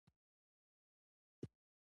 دې جګړو اوس د منل شویو جګړو بڼه اخیستې.